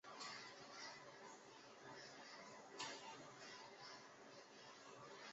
受到中国人民志愿军首当其冲攻击的两个营在防御战中阻止了中国人民志愿军一整个师。